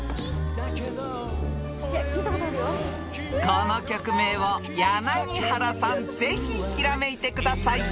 ［この曲名を柳原さんぜひひらめいてください］